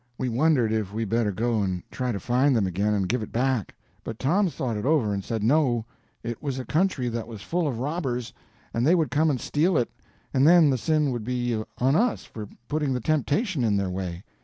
We wondered if we better go and try to find them again and give it back; but Tom thought it over and said no, it was a country that was full of robbers, and they would come and steal it; and then the sin would be on us for putting the temptation in their way.